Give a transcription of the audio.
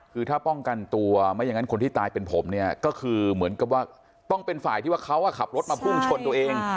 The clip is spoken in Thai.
คือถ้าป้องกันตัวไม่อย่างนั้นคนที่ตายเป็นผมเนี่ยก็คือเหมือนกับว่าต้องเป็นฝ่ายที่ว่าเขาขับรถมาพุ่งชนตัวเอง